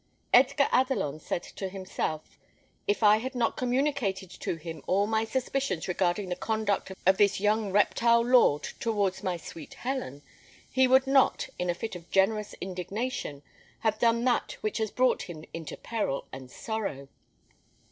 Edgar Adelon said to himself, "If I had not communicated to him all my suspicions regarding the conduct of this young reptile lord towards my sweet Helen, he would not, in a fit of generous indignation, have done that which has brought him into peril and sorrow.